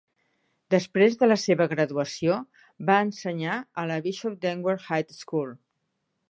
Després de la seva graduació, va ensenyar a la Bishop Dwenger High School.